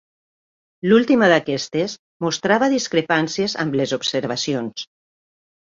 L'última d'aquestes mostrava discrepàncies amb les observacions.